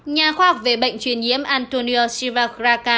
nhà khoa học về bệnh chuyên nhiễm antonio sivagraka